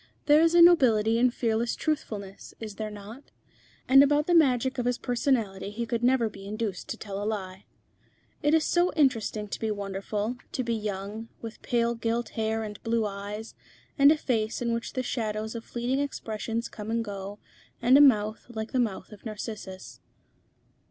There is a nobility in fearless truthfulness, is there not? and about the magic of his personality he could never be induced to tell a lie. It is so interesting to be wonderful, to be young, with pale gilt hair and blue eyes, and a face in which the shadows of fleeting expressions come and go, and a mouth like the mouth of Narcissus.